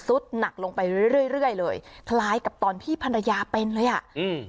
ซุดหนักลงไปเรื่อยเลยคล้ายกับตอนพี่ภรรยาเป็นเลยอ่ะอืม